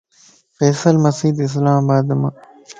فيصل مسيڌ اسلام آبادمَ